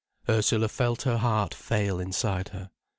Ursula felt her heart fail inside her.